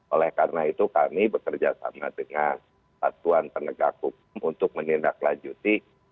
oleh karena itu kami bekerja sama dengan satuan penegak hukum untuk menindaklanjuti